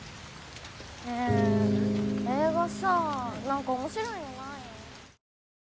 ねぇ映画さ何か面白いのない？